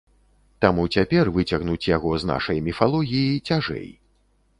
Таму цяпер выцягнуць яго з нашай міфалогіі цяжэй.